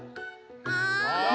はい！